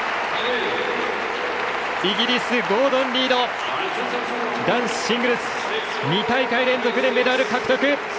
イギリス、ゴードン・リード男子シングルス２大会連続でメダル獲得！